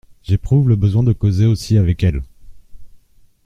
J’éprouve le besoin de causer aussi avec elle !…